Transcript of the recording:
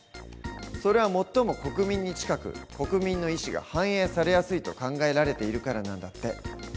それは最も国民に近く国民の意思が反映されやすいと考えられているからなんだって。